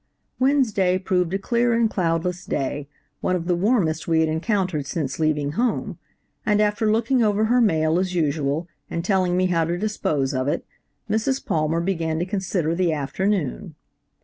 "Wednesday proved a clear and cloudless day, one of the warmest we had encountered since leaving home, and after looking over her mail, as usual, and telling me how to dispose of it, Mrs. Palmer began to consider the afternoon.